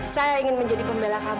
saya ingin menjadi pembela kamu fadil